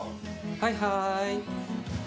はいはい。